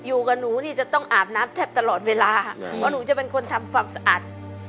อยู่กับหนูนี่จะต้องอาบน้ำแทบตลอดเวลาเพราะหนูจะเป็นคนทำความสะอาด